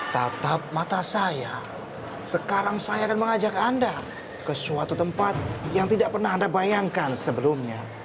tatap mata saya sekarang saya akan mengajak anda ke suatu tempat yang tidak pernah anda bayangkan sebelumnya